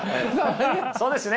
そうですね。